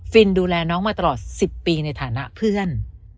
ดูแลน้องมาตลอด๑๐ปีในฐานะเพื่อน